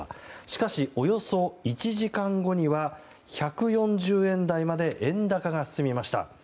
しかし、およそ１時間後には１４０円台にまで円高が進みました。